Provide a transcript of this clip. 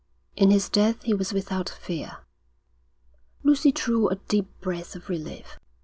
'In his death he was without fear.' Lucy drew a deep breath of relief.